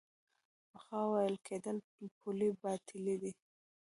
پخوا ویل کېدل پولې باطلې دي.